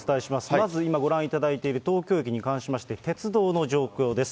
まず今ご覧いただいている東京駅に関しまして、鉄道の状況です。